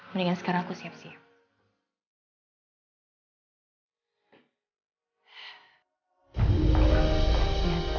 mendingan sekarang aku siap siap